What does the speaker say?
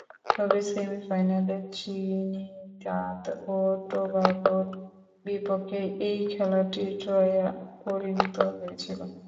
তবে, সেমি-ফাইনালে ত্রিনিদাদ ও টোবাগোর বিপক্ষে ঐ খেলাটি ড্রয়ে পরিণত হয়েছিল।